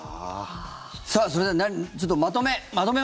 それでは、まとめ。